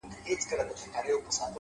هره لحظه د نوې پرېکړې فرصت دی